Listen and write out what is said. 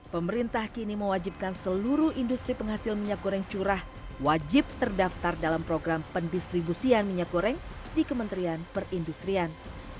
pemerintah kini mewajibkan seluruh industri penghasil minyak goreng curah wajib terdaftar dalam program pendistribusian minyak goreng di kementerian perindustrian